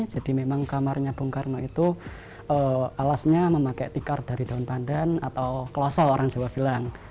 memang kamarnya bung karno itu alasnya memakai tikar dari daun pandan atau klosok orang jawa bilang